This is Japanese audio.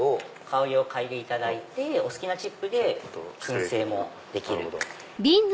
香りを嗅いでいただいてお好きなチップで薫製もできる。